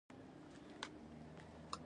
د پیلوټ غږ شو.